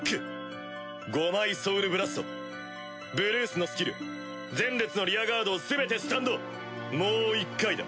５枚ソウルブラストブルースのスキル前列のリアガードをすべてスタンドもう１回だ！